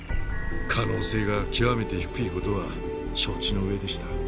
可能性が極めて低い事は承知のうえでした。